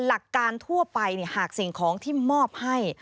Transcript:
หลักการทั่วไปหากสิ่งของที่มอบให้